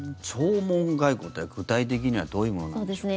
弔問外交って、具体的にはどういうものなんでしょう。